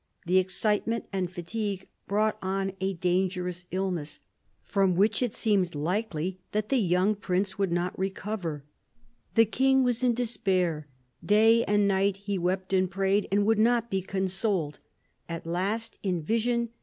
The excitement and fatigue brought on a dangerous illness, from which it seemed likely that the young prince would not recover. The king was in despair. 20 PHILIP AUGUSTUS chap. Day and night he wept and prayed, and would not be consoled. At last in vision S.